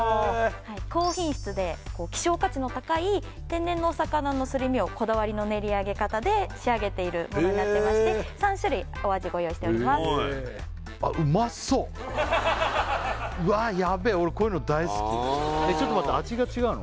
高品質で希少価値の高い天然のお魚のすり身をこだわりの練り上げ方で仕上げているものになってまして３種類お味ご用意しておりますうわヤッベーちょっと待って味が違うの？